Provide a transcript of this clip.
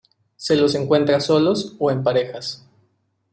Se los encuentra solos o en parejas.